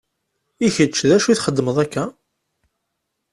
I kečči d acu i txeddmeḍ akka?